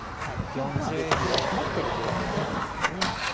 まあ別に先手は困ってるというわけではないんですけどね。